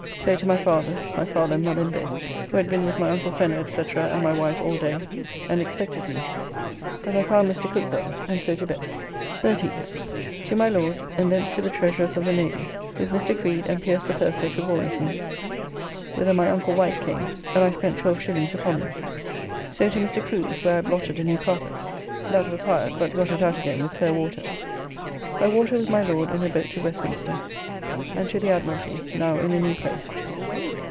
So to my father's, my father and mother in bed, who had been with my uncle Fenner, &c., and my wife all day and expected me. But I found Mr. Cook there, and so to bed. 13th. To my Lord's and thence to the Treasurer's of the Navy,' with Mr. Creed and Pierce the Purser to Rawlinson's, whither my uncle Wight came, and I spent 12s. upon them. So to Mr. Crew's, where I blotted a new carpet [It was customary to use carpets as table cloths.] that was hired, but got it out again with fair water. By water with my Lord in a boat to Westminster, and to the Admiralty, now in a new place.